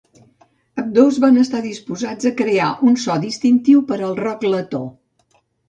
Ambdós van estar disposats a crear un so distintiu per al rock letó.